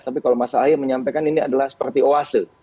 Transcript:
tapi kalau mas ahy menyampaikan ini adalah seperti oase